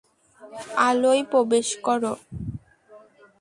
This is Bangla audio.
আলোয় প্রবেশ করো।